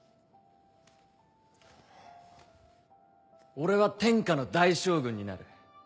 俺は天下の大将軍になる。